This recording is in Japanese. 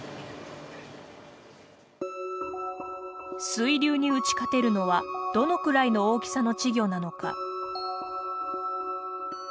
水流に打ち勝てるのはどのくらいの大きさの稚魚なのか。